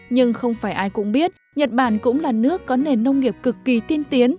nhưng không phải ai cũng biết nhật bản cũng là nước có nền nông nghiệp cực kỳ tiên tiến